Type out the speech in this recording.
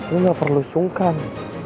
lo gak perlu sungkan